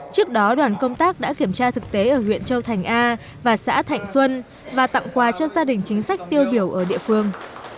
trước đó đoàn công tác đã kiểm tra thực tế ở huyện châu thành a và xã thạnh xuân và tặng quà cho gia đình chính sách tiêu biểu ở địa phương